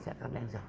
saya akan lengah